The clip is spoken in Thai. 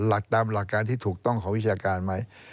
หลักตามหลักการที่ถูกต้องของวิชาการไหม